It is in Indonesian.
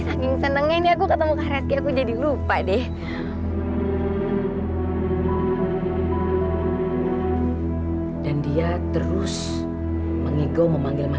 yang senengnya ini aku ketemu karetnya aku jadi lupa deh dan dia terus mengigau memanggil namamu